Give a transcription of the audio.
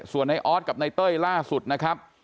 ส่วนในออสกับนายเต้ยล่าสุดนะครับ